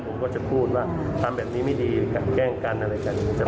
ผมก็จะพูดว่าทำแบบนี้ไม่ดีกันแกล้งกันอะไรกัน